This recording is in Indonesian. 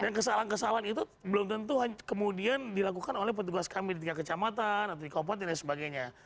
dan kesalahan kesalahan itu belum tentu kemudian dilakukan oleh petugas kami di tingkat kecamatan atau di kompeten dan sebagainya